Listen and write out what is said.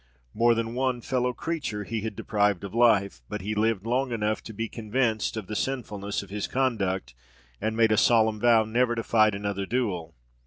More than one fellow creature he had deprived of life; but he lived long enough to be convinced of the sinfulness of his conduct, and made a solemn vow never to fight another duel.